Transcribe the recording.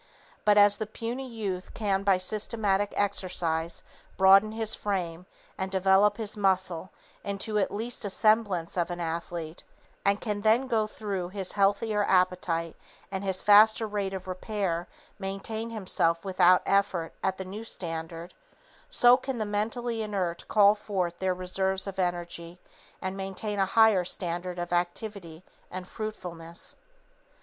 But as the puny youth can by systematic exercise broaden his frame and develop his muscles into at least a semblance of the athlete, and can then through his healthier appetite and his faster rate of repair maintain himself without effort at the new standard; _so can the mentally inert call forth their reserves of energy and maintain a higher standard of activity and fruitfulness_.